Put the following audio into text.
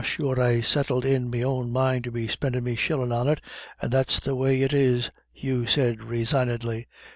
"Ah, sure, I settled in me own mind to be spendin' me shillin' on it, and that's the way it is," Hugh said resignedly.